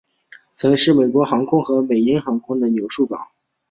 曾是美国航空和美鹰航空的枢杻港。